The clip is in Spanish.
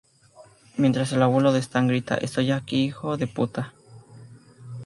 Mientras, el abuelo de Stan grita: "¡Estoy aquí, hijo de puta!